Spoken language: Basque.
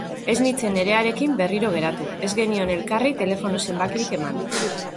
Ez nintzen Nerearekin berriro geratu, ez genion elkarri telefono zenbakirik eman.